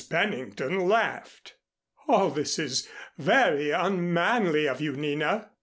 Pennington laughed. "All this is very unmanly of you, Nina."